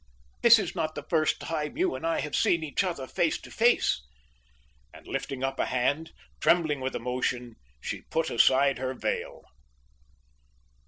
This is not the first time you and I have seen each other face to face." And lifting up a hand, trembling with emotion, she put aside her veil.